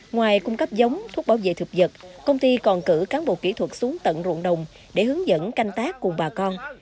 ngoài cung cấp giống thuốc bảo vệ thực vật công ty còn cử cán bộ kỹ thuật xuống tận ruộng đồng để hướng dẫn canh tác cùng bà con